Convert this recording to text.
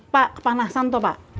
pak kepanasan tuh pak